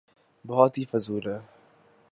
بہت ہی فضول ہے۔